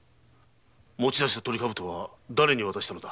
持ち出したトリカブトはだれに渡したのだ？